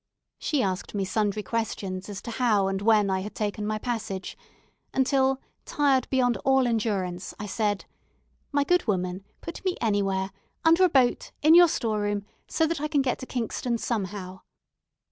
She asked me sundry questions as to how and when I had taken my passage; until, tired beyond all endurance, I said, "My good woman, put me anywhere under a boat in your store room, so that I can get to Kingston somehow."